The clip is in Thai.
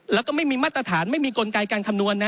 แล้วก็ไม่มีมาตรฐานไม่มีกลไกการคำนวณนะ